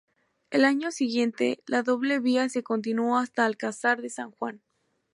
Al año siguiente, la doble vía se continuó hasta Alcázar de San Juan.